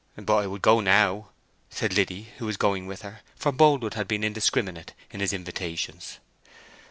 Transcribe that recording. "But I would go now," said Liddy, who was going with her; for Boldwood had been indiscriminate in his invitations.